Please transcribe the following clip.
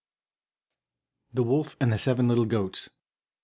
The WOLF and the SEVEN LITTLE GOATS.